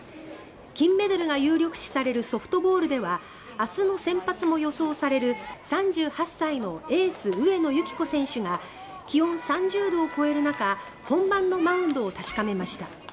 金メダルが有力視されるソフトボールでは明日の先発も予想される３８歳のエース上野由岐子選手が気温３０度を超える中本番のマウンドを確かめました。